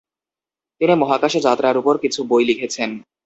তিনি মহাকাশে যাত্রার উপর কিছু বই লিখেছেন।